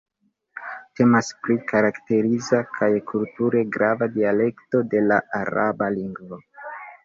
Temas pri karakteriza kaj kulture grava dialekto de la araba lingvo.